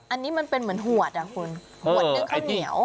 อันนี้มันเป็นเหมือนหวดอ่ะคุณหวดนึ่งข้าวเหนียว